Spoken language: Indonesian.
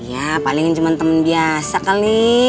iya palingnya cuman temen biasa kali